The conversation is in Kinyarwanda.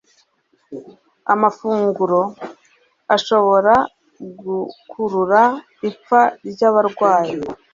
amafunguro ashobora gukurura ipfa ryabarwayi